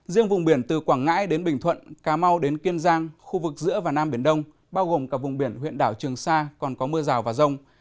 riêng vùng biển từ quảng ngãi đến bình thuận cà mau đến kiên giang khu vực giữa và nam biển đông bao gồm cả vùng biển huyện đảo trường sa còn có mưa rào và rông